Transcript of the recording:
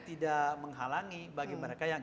tidak menghalangi bagi mereka yang